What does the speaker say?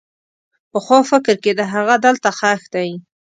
پخوا فکر کېده هغه دلته ښخ دی.